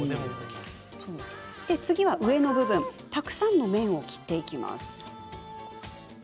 次は、上の部分たくさんの面を切っていきます。